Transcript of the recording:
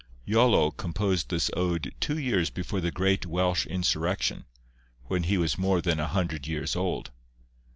Iolo composed this ode two years before the great Welsh insurrection, when he was more than a hundred years old.